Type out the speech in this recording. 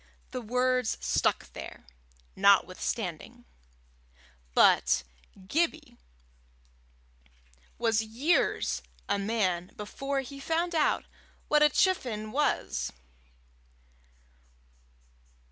The word stuck there, notwithstanding; but Gibbie was years a man before he found out what a chifenn was.